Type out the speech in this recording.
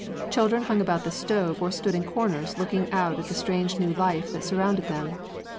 Children hung about the stove or stood in corners looking out at the strange new life that surrounded them.